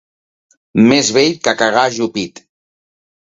Més vell que cagar ajupit.